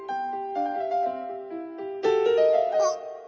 「あっ！」